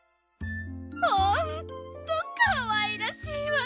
ほんとかわいらしいわね。